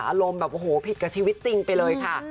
อารมณ์แบบโอ้โหผิดกับชีวิตจริงไปเลยค่ะ